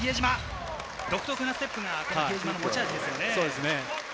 独特のステップが比江島の持ち味です。